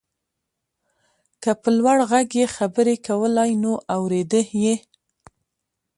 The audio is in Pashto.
که په لوړ غږ يې خبرې کولای نو اورېده يې.